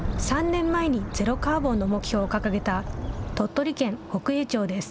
３年前にゼロカーボンの目標を掲げた、鳥取県北栄町です。